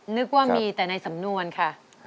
นึกว่ามีแต่ในสำนวนค่ะ